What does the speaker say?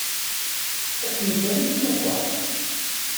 Akken kan i t-nufa.